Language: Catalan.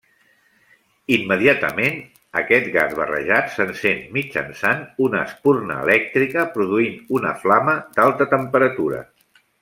Immediatament, aquest gas barrejat s'encén mitjançant una espurna elèctrica, produint una flama d'alta temperatura.